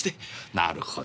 なるほど。